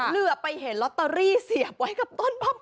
เหลือไปเห็นลอตเตอรี่เสียบไว้กับต้นป้อม